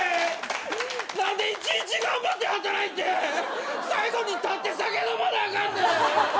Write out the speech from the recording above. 何で一日頑張って働いて最後に立って酒飲まなあかんねん！